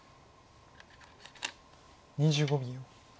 ２５秒。